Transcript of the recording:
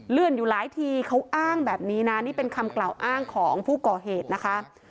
เลื่อนอยู่หลายทีเขาอ้างแบบนี้นะนี่เป็นคำกล่าวอ้างของผู้ก่อเหตุนะคะ